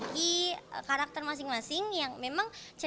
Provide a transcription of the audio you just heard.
memiliki satu tokoh cosplay ternama untuk menjadi guest star dari maid and butler